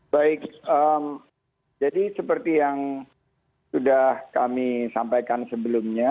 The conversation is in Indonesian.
baik jadi seperti yang sudah kami sampaikan sebelumnya